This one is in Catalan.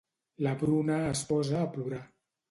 La Bruna es posa a plorar.